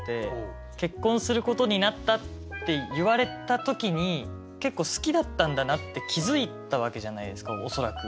結婚することになったって言われた時に結構好きだったんだなって気付いたわけじゃないですか恐らく。